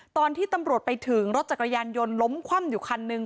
ตอนที่ตำรวจไปถึงรถจักรยานยนต์ล้มคว่ำอยู่คันนึง